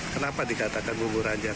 kenapa dikatakan bumbu rajang